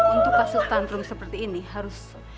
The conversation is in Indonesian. untuk kasus tantrum seperti ini harus